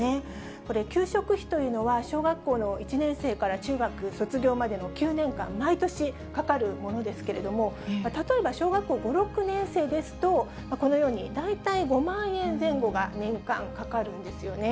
これ、給食費というのは、小学校の１年生から中学卒業までの９年間、毎年かかるものですけれども、例えば小学校５、６年生ですと、このように、大体５万円前後が年間かかるんですよね。